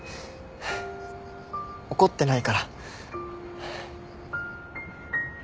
ハァ怒ってないから。